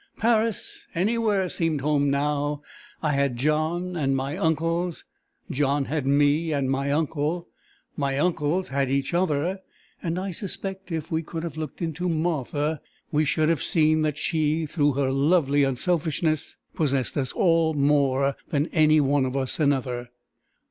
Paris, anywhere seemed home now! I had John and my uncles; John had me and my uncle; my uncles had each other; and I suspect, if we could have looked into Martha, we should have seen that she, through her lovely unselfishness, possessed us all more than any one of us another.